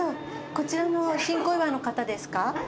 こちらの新小岩の方ですか？